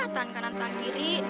tangan kanan tangan kiri